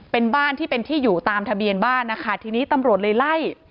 เป็นบ้านที่เป็นที่อยู่ตามทะเบียนบ้านนะคะทีนี้ตำรวจเลยไล่